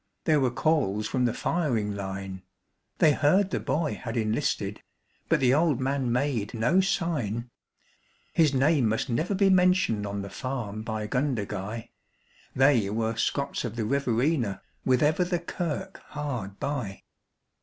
There were calls from the firing line; They heard the boy had enlisted, but the old man made no sign. His name must never be mentioned on the farm by Gundagai They were Scots of the Riverina with ever the kirk hard by.